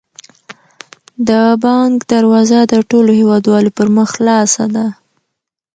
د بانک دروازه د ټولو هیوادوالو پر مخ خلاصه ده.